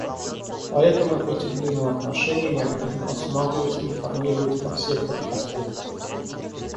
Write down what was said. Поэтому эти взаимоотношения необходимо рассматривать и реформировать во всех их аспектах.